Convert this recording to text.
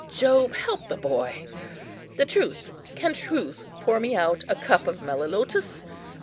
Jove help the boy!—the truth! can truth pour me out a cup of melilotus?